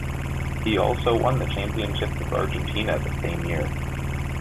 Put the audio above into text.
He also won the championship of Argentina the same year.